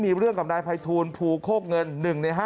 มีเรื่องกับนายภัยทูลภูโคกเงิน๑ใน๕